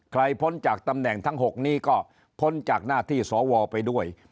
พ้นจากตำแหน่งทั้ง๖นี้ก็พ้นจากหน้าที่สวไปด้วย